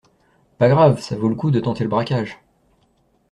Pas grave, ça vaut le coup de tenter le braquage.